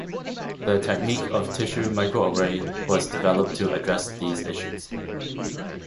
The technique of tissue microarray was developed to address these issues.